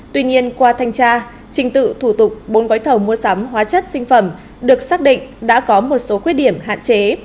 tuy nhiên qua thanh tra trình tự thủ tục bốn gói thầu mua sắm hóa chất sinh phẩm được xác định đã có một số khuyết điểm hạn chế